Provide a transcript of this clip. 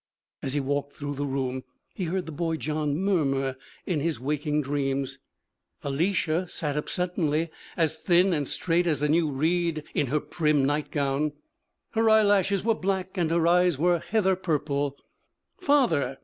As he walked through the room, he heard the boy John murmur in his waking dreams. Alicia sat up suddenly, as thin and straight as a new reed in her prim nightgown. Her eyelashes were black and her eyes were heather purple. 'Father!'